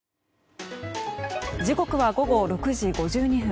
時刻は午後６時５２分。